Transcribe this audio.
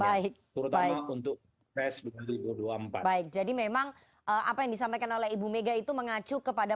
baik untuk dua ribu dua puluh empat baik jadi memang apa yang disampaikan oleh ibu mega itu mengacu kepada